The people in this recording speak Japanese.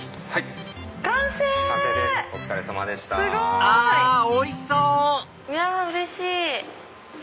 いやうれしい。